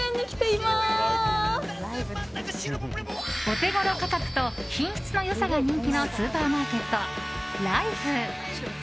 オテゴロ価格と品質の良さが人気のスーパーマーケット、ライフ。